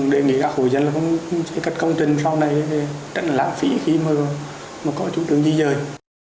đề nghị các hội dân sẽ cất công trình sau này để tránh lãng phí khi mà có chủ trương di dời